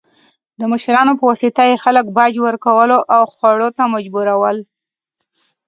د مشرانو په واسطه یې خلک باج ورکولو او خوړو ته مجبورول.